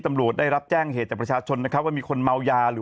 ตำรวจได้รับแจ้งเหตุจากประชาชนนะครับว่ามีคนเมายาหรือ